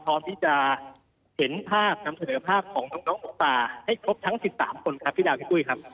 พร้อมที่จะเห็นภาพนำเสนอภาพของน้องหมูป่าให้ครบทั้ง๑๓คนครับพี่ดาวพี่ปุ้ยครับ